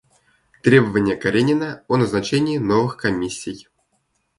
Требования Каренина о назначении новых комиссий.